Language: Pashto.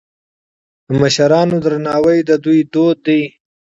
د مشرانو درناوی د دوی دود دی.